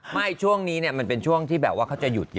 ช่วงนี้มันเป็นช่วงที่แบบว่าเขาจะหยุดเยอะ